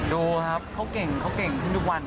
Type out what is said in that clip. ดูครับเขาเก่งทุกวัน